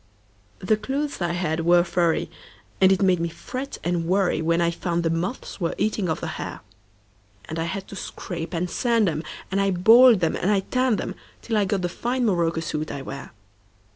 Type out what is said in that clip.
The clothes I had were furry, And it made me fret and worryWhen I found the moths were eating off the hair; And I had to scrape and sand 'em, And I boiled 'em and I tanned 'em, Till I got the fine morocco suit I wear.